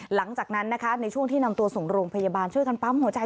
หลังจากนั้นนะคะในช่วงที่นำตัวส่งโรงพยาบาลช่วยกันปั๊มหัวใจ